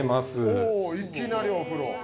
おおいきなりお風呂。